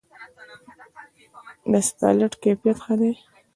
د اسفالټ کیفیت ښه دی؟